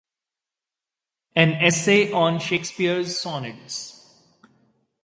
"An Essay on Shakespeare's Sonnets".